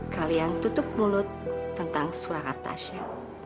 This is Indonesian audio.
kalian tutup mulut tentang suara tasya